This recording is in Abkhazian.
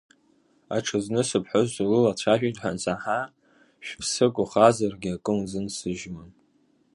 Аҽазны сыԥҳәыс улылацәажәеит ҳәа ансаҳа, шә-ԥсык ухазаргьы акы узынсыжьуам.